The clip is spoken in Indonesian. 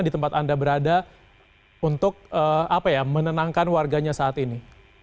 di tempat anda berada untuk menenangkan warganya saat ini